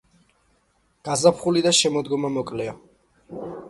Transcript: გაზაფხული და შემოდგომა მოკლეა.